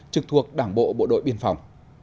trực thuộc đảng bộ bộ đội biên phòng